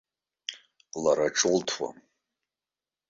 Лара ҿылҭуам.